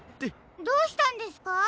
どうしたんですか？